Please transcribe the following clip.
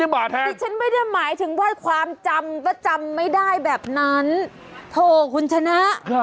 นี่ฉันไม่ได้หมายถึงว่าความจำก็จำไม่ได้แบบนั้นโถคุณชนะ